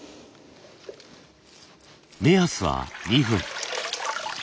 目安は２分。